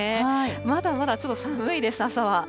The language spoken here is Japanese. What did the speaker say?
まだまだちょっと寒いです、朝は。